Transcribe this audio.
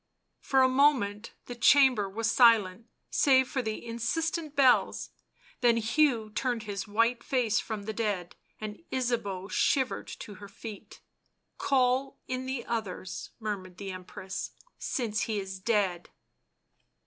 For a moment the chamber was silent save for the insistent bells, then Hugh turned his white face from the dead, and Ysabeau shivered to her feet. " Call in the others," murmured the Empress, " since he is dead."